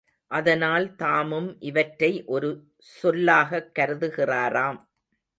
அதனால் தாமும் இவற்றை ஒரு சொல்லாகக் கருதுகிறாராம்.